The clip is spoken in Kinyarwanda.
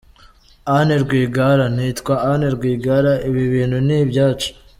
Anne Rwigara : “Nitwa Anne Rwigara, ibi bintu ni ibyacu”.